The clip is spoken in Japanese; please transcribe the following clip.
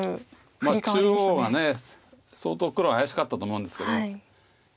中央が相当黒が怪しかったと思うんですけども。